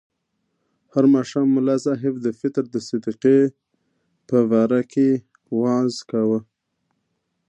هر ماښام ملا صاحب د فطر د صدقې په باره کې وعظ کاوه.